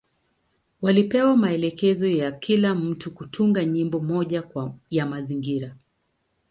Walipewa maelekezo ya kila mtu kutunga nyimbo moja ya mazingira.